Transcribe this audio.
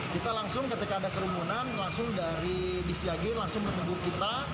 kita langsung ketika ada kerumunan langsung dari distiage langsung menegur kita